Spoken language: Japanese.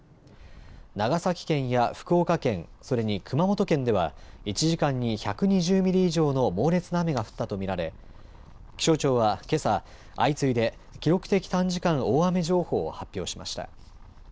長崎県や福岡県、それに熊本県では、１時間に１２０ミリ以上の猛烈な雨が降ったと見られ、気象庁はけさ、相次いで記録的短時間大雨情報を発表しました。